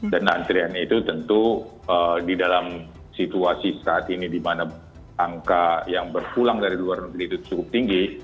dan antrean itu tentu di dalam situasi saat ini di mana angka yang berpulang dari luar negeri itu cukup tinggi